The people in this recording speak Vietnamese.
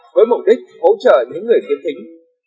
với mục đích hỗ trợ những người kiến thính